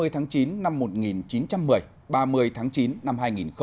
hai mươi tháng chín năm một nghìn chín trăm một mươi ba mươi tháng chín năm hai nghìn hai mươi